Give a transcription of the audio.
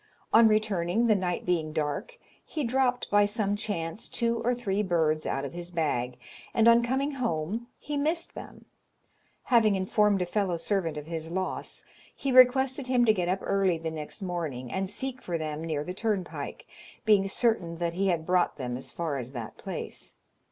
On returning, the night being dark, he dropped, by some chance, two or three birds out of his bag, and on coming home he missed them. Having informed a fellow servant of his loss, he requested him to get up early the next morning, and seek for them near the turnpike, being certain that he had brought them as far as that place.